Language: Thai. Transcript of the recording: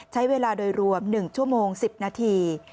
ใช้เวลาโดยรวม๑ชั่วโมง๑๐นาที